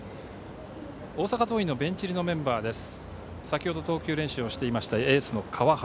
大阪桐蔭のベンチ入りのメンバーです。